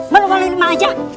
balik balikin emang aja